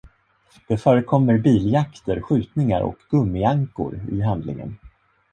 Det förekommer biljakter, skjutningar och gummiankor i handlingen.